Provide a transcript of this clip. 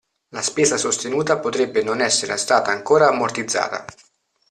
La spesa sostenuta potrebbe non essere stata ancora ammortizzata.